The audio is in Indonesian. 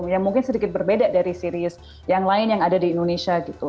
yang mungkin sedikit berbeda dari series yang lain yang ada di indonesia gitu